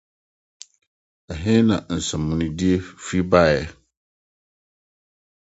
Ɛhe na Nsɛmmɔnedi Fi Bae?